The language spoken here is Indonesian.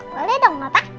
boleh dong papa